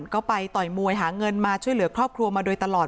ก็ไปต่อยมวยหาเงินมาช่วยเหลือครอบครัวมาโดยตลอด